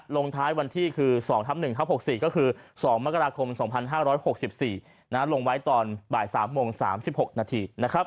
ลงท้ายวันที่คือ๒ทับ๑ทับ๖๔ก็คือ๒มกราคม๒๕๖๔ลงไว้ตอนบ่าย๓โมง๓๖นาทีนะครับ